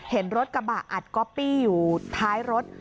เห็นรถกระบะอัดก๊อปปี้อยู่ท้ายรถ